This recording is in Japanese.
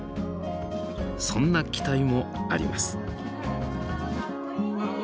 そんな期待もあります。